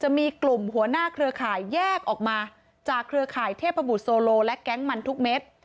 จะมีกลุ่มหัวหน้าเครือข่ายแยกออกมาจากเครือข่ายเทพบุตรโซโลและแก๊งมันทุกเม็ด